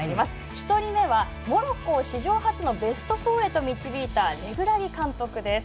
１人目はモロッコを史上初のベスト４へと導いたレグラギ監督です。